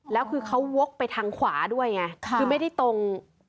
แล้วคือเขาวกไปทางขวาด้วยไงคือไม่ได้ตรง